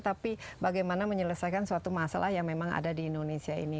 tapi bagaimana menyelesaikan suatu masalah yang memang ada di indonesia ini